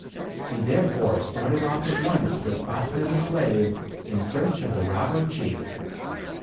He therefore started off at once with Fatme the slave, in search of the robber chief.